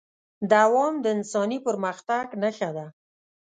دوام د انساني پرمختګ نښه ده.